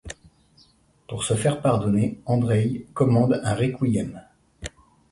Pour se faire pardonner, Andréï commande un requiem.